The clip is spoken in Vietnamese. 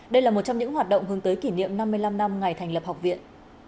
đây là một trong những hoạt động hướng tới kỷ niệm năm mươi năm năm ngày thành lập học viện